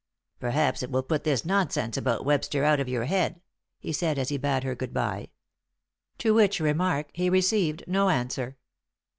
"Perhaps it will put this nonsense about Webster out of your head," he said as he bade her good bye. To which remark he received no answer.